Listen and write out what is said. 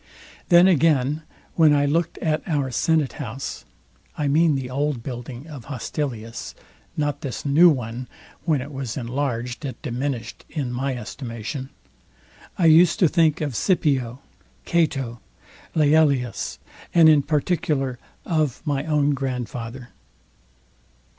"Then again, when I looked at our Senate house (I mean the old building of Hostilius, not this new one; when it was enlarged, it diminished in my estimation), I used to think of Scipio, Cato, Laelius and in particular of my own grandfather.